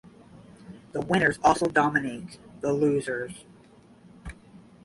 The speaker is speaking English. The winners also dominate the losers.